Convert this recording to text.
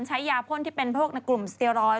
ใช้ยาพ่นที่เป็นพวกในกลุ่มสเตียรอยด